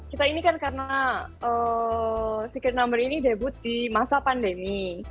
kita ini kan karena secret number ini debut di masa pandemi